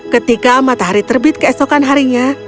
ketika matahari terbit keesokan harinya